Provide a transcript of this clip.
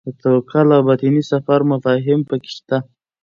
د توکل او باطني سفر مفاهیم پکې شته.